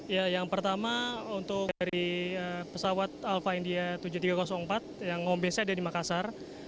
ya yang pertama untuk dari pesawat alva india tujuh ribu tiga ratus empat yang ngombasnya dia di makassar